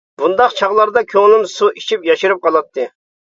بۇنداق چاغلاردا كۆڭلۈم سۇ ئىچىپ ياشىرىپ قالاتتى.